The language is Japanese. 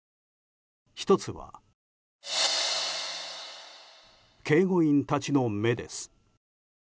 １つは、警護員たちの目です。